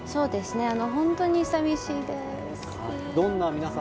本当に寂しいです。